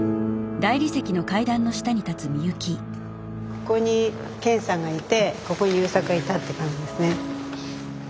ここに健さんがいてここに優作がいたって感じですね。